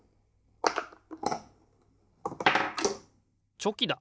チョキだ！